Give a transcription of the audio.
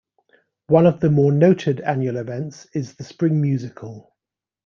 One of the more noted annual events is the spring musical.